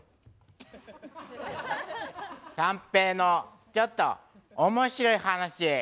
三瓶のちょっと面白い話。